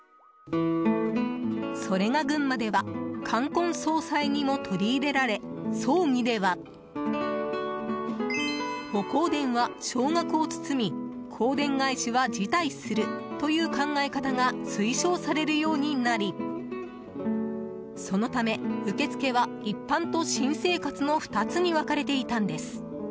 それが、群馬では冠婚葬祭にも取り入れられ葬儀では、お香典は少額を包み香典返しは辞退するという考え方が推奨されるようになりそのため受付は一般と新生活の２つに分かれていたんです。